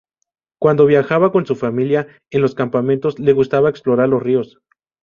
Cuando viajaba con su familia, en los campamentos, le gustaba explorar los ríos.